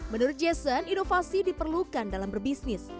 menurut jason inovasi diperlukan dalam berbisnis